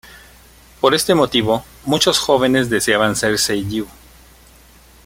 Por este motivo, muchos jóvenes deseaban ser seiyū.